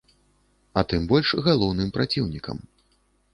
А тым больш галоўным праціўнікам.